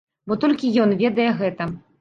Бо толькі ён ведае гэта.